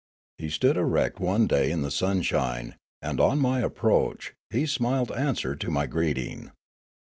He stood erect one day in the sunshine, and on my approach, he smiled answer to my greeting.